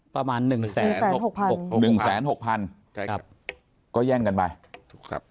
ประมาณหนึ่งแสนหกหกพันหกพันหนึ่งแสนหกพันใช่ครับก็แย่งกันไปถูกครับ